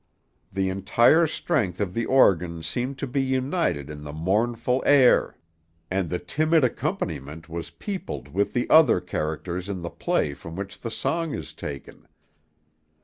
The entire strength of the organ seemed to be united in the mournful air, and the timid accompaniment was peopled with the other characters in the play from which the song is taken.